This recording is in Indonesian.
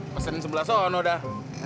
pastiin sebelah sana udah